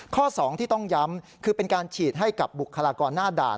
ข้อ๒ที่ต้องย้ำคือเป็นการฉีดให้กับบุคลากรหน้าด่าน